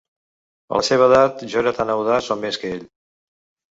A la seva edat, jo era tan audaç o més que ell.